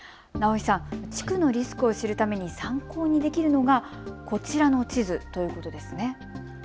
直井さん、地区のリスクを知るために参考にできるのがこちらの地図ということですね。